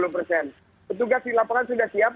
petugas di lapangan sudah siap